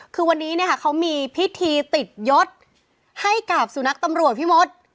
คือวันนี้เขามีพิธีติดยศให้กับสู่นักตำรวจพี่มศ